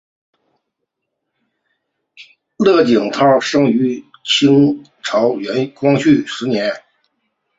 乐景涛生于清朝光绪十年。